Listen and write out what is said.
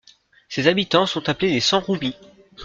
Ses habitants sont appelés les San-Roumis.